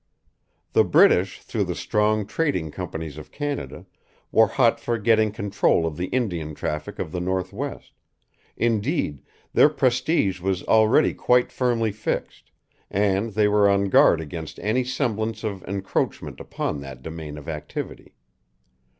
The British, through the strong trading companies of Canada, were hot for getting control of the Indian traffic of the Northwest indeed, their prestige was already quite firmly fixed, and they were on their guard against any semblance of encroachment upon that domain of activity.